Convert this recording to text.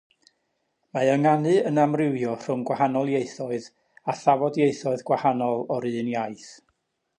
Mae ynganu yn amrywio rhwng gwahanol ieithoedd, a thafodieithoedd gwahanol o'r un iaith.